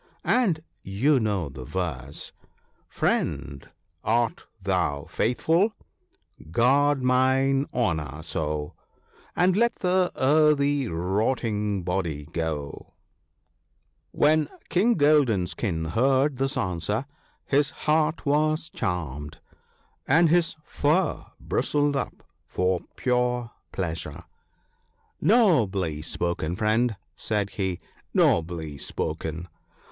And you know the verse, " Friend, art thou faithful ? guard mine honour so ! And let the earthy rotting body go." THE WINNING OF FRIENDS. 29 When King Golden skin heard this answer his heart was charmed, and his fur bristled up for pure pleasure. * Nobly spoken, friend/ said he, 'nobly spoken!